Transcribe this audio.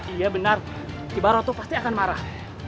iya benar tiba roto pasti akan marah